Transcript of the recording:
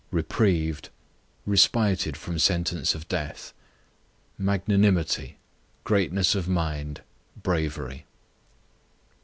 Reprieved, respited from sentence of death. Magnanimity, greatness of mind, bravery.